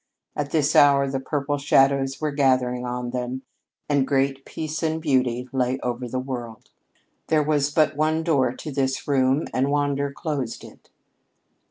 At this hour the purple shadows were gathering on them, and great peace and beauty lay over the world. There was but one door to this room and Wander closed it.